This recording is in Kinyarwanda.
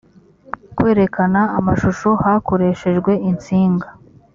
kwerekana amashusho hakoreshejwe insinga